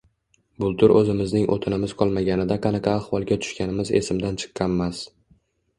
Bultur o‘zimizning o‘tinimiz qolmaganida qanaqa ahvolga tushganimiz esimdan chiqqanmas.